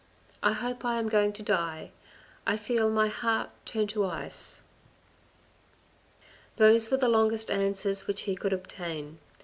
I hope I am going to die. I feel my heart turn to ice." Those were the longest answers which he could obtain.